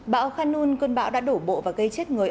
bão khanun cơn bão đã đổ bộ và gây chết người